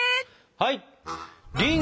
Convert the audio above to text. はい！